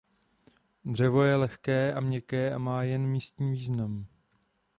Dřevo je lehké a měkké a má jen místní význam.